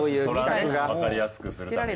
わかりやすくするために。